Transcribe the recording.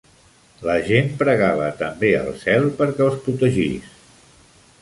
La gent pregava també al cel perquè els protegís.